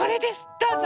どうぞ。